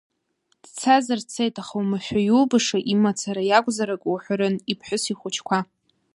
Дцазар, дцеит, аха оумашәа иубаша, имацара иакәзар акы уҳәарын, иԥҳәыс, ихәыҷқәа…